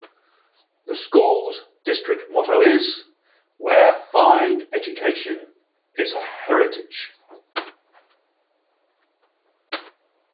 The school district's motto is: "where fine education is a heritage".